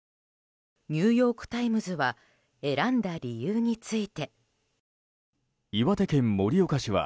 ニューヨーク・タイムズは選んだ理由について。